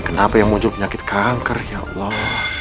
kenapa yang muncul penyakit kanker ya allah